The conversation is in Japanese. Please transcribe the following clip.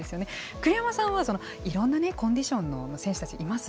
栗山さんはいろんなコンディションの選手たちがいます。